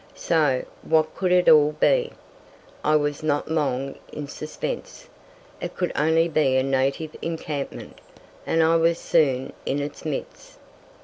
So, what could it all be? I was not long in suspense. It could only be a native encampment, and I was soon in its midst.